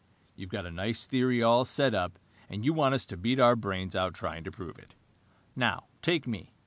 "You've got a nice theory all set up and you want us to beat our brains out trying to prove it. Now, take me.